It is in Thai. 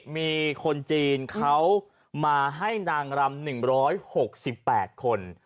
มีคนจีนเขามาให้นางรำ๑๖๘คน